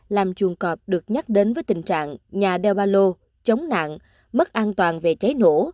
làm chuồng cọp được nhắc đến với tình trạng nhà đeo ba lô chống nạn mất an toàn về cháy nổ